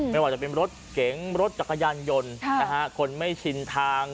ไม่ว่าจะเป็นรถเก๋งรถจักรยานยนต์คนไม่ชินทาง